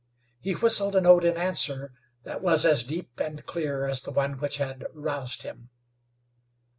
He whistled a note in answer that was as deep and clear as the one which had roused him.